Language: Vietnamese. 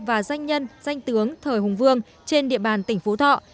và danh nhân danh tướng thờ hùng vương trên địa bàn tỉnh phú thọ